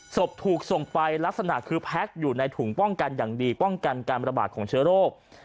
ถูกส่งไปลักษณะคือแพ็คอยู่ในถุงป้องกันอย่างดีป้องกันการประบาดของเชื้อโรค